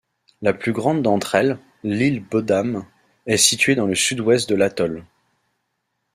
La plus grande d'entre elles, l'île Boddam, est située dans le Sud-Ouest de l'atoll.